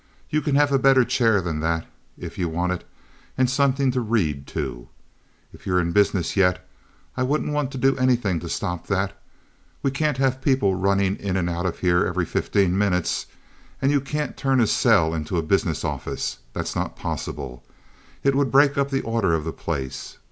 You can have a better chair than that, if you want it, and something to read too. If you're in business yet, I wouldn't want to do anything to stop that. We can't have people running in and out of here every fifteen minutes, and you can't turn a cell into a business office—that's not possible. It would break up the order of the place.